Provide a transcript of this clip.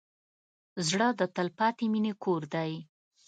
زړه د تلپاتې مینې کور دی.